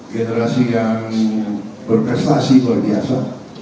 generasi yang berprestasi luar biasa